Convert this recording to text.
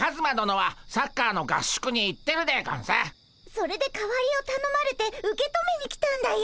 それで代わりをたのまれて受け止めに来たんだよ。